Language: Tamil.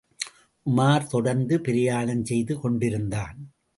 உமார் தொடர்ந்து பிரயாணம் செய்து கொண்டிருந்தான்.